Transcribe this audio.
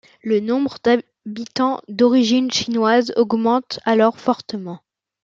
Le nombre d'habitants d'origine chinoise augmente alors fortement.